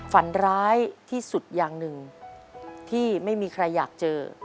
ฝันร้ายที่สุดอย่างหนึ่งที่ไม่มีใครอยากเจอ